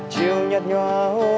chiều nhạt nhòa hồ